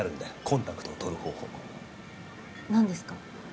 コンタクトを取る方法何ですか？